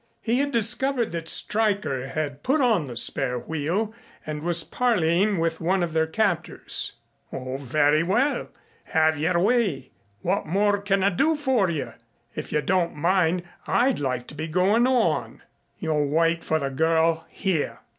He had discovered that Stryker had put on the spare wheel and was parleying with one of their captors. "Oh, very well. Have your way. What more can I do for you? If you don't mind I'd like to be going on." "You'll wait for the girl here."